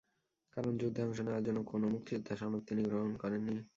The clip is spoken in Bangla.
কারণ, যুদ্ধে অংশ নেওয়ার জন্য কোনো মুক্তিযোদ্ধা সনদ তিনি গ্রহণ করেননি।